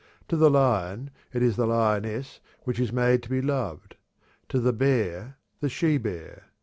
To the lion it is the lioness which is made to be loved; to the bear, the she bear.